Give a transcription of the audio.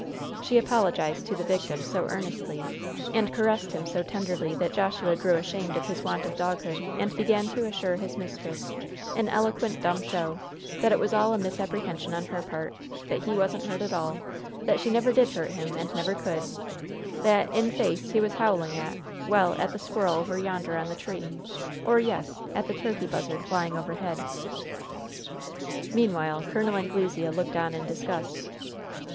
She apologized to the victim so earnestly and caressed him so tenderly that Joshua grew ashamed of his want of doghood, and began to assure his mistress, in eloquent dumb show, that it was all a misapprehension on her part; that he wasn't hurt at all; that she never did hurt him and never could; that, in face, he was howling at well, at the squirrel over yonder on the tree; or, yes, at the turkey buzzard flying overhead. Meanwhile Col Anglesea looked on in disgust.